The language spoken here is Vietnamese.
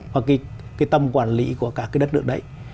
và cái tâm quản lý của cả cái đất nước đấy